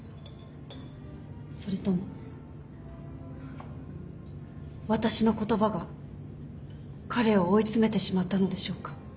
それとも私の言葉が彼を追い詰めてしまったのでしょうか。